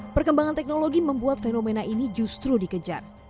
perkembangan teknologi membuat fenomena ini justru dikejar